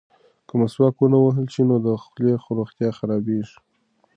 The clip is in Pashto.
که مسواک ونه وهل شي نو د خولې روغتیا خرابیږي.